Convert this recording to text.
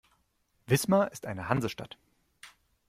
Wismar ist eine Hansestadt.